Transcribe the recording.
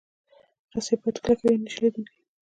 رسۍ باید کلکه وي، نه شلېدونکې.